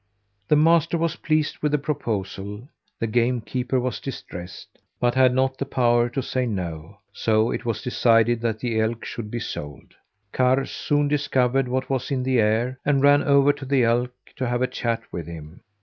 The master was pleased with the proposal, the game keeper was distressed, but had not the power to say no; so it was decided that the elk should be sold. Karr soon discovered what was in the air and ran over to the elk to have a chat with him.